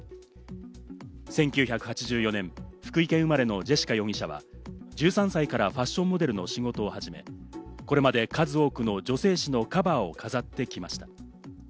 １９８４年、福井県生まれのジェシカ容疑者は１３歳からファッションモデルの仕事を始め、これまで、数多くの女性誌のカバーを飾ってきました。